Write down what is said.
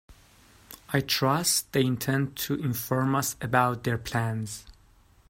I trust they intend to inform us about their plans.